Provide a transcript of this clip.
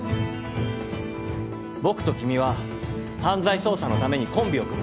僕と君は犯罪捜査のためにコンビを組むんだ。